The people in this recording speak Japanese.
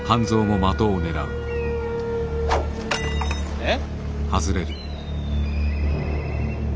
えっ？